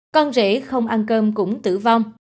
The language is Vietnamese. con rể không ăn cơm cũng tử vong